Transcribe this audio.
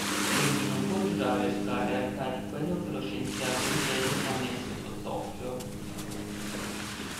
Egli non può giurare su la realtà di quel che lo scienziato inglese gli ha messo sott'occhio.